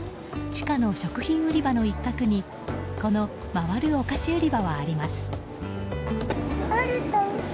地下の食品売り場の一角にこの回るお菓子売り場はあります。